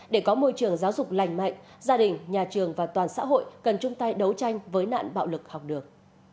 để có môi trường giáo dục lành mạnh gia đình nhà trường và toàn xã hội cần chung tay đấu tranh với nạn bạo lực học đường